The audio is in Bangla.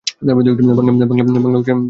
বাংলা উচ্চারণ দীর্ঘ -উ।